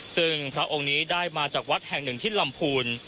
ซึ่งพระองค์นี้ได้มาจากวัดแห่งหนึ่งที่ลำพูน